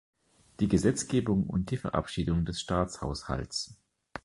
Die Gesetzgebung und die Verabschiedung des Staatshaushalts.